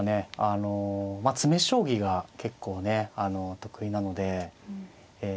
あの詰め将棋が結構ね得意なのでえ